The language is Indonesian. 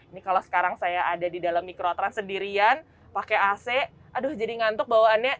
ini kalau sekarang saya ada di dalam mikrotrans sendirian pakai ac aduh jadi ngantuk bawaannya